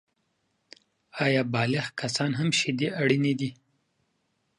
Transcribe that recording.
آیا بالغ کسان هم شیدې اړینې دي؟